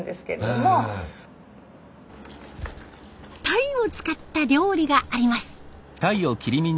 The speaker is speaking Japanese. タイを使った料理があります。